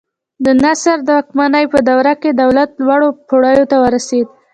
د نصر د واکمنۍ په دوران کې دولت لوړو پوړیو ته ورسېد.